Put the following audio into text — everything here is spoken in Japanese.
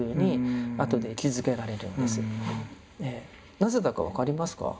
なぜだか分かりますか？